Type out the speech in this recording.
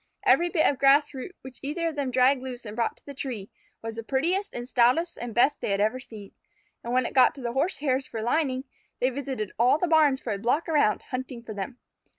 Every bit of grass root which either of them dragged loose and brought to the tree, was the prettiest and stoutest and best they had ever seen. And when it got to the Horsehairs for lining, they visited all the barns for a block around, hunting for them.